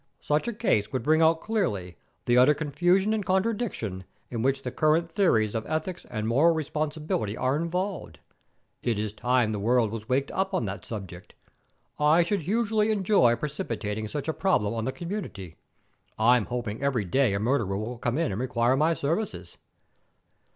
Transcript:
Such a case would bring out clearly the utter confusion and contradiction in which the current theories of ethics and moral responsibility are involved. It is time the world was waked up on that subject. I should hugely enjoy precipitating such a problem on the community. I'm hoping every day a murderer will come in and require my services.